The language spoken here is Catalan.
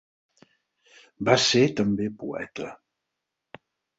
Va ser també poeta.